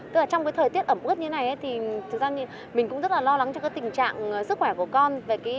tức là trong thời tiết ẩm ướt như thế này mình cũng rất lo lắng cho tình trạng sức khỏe của con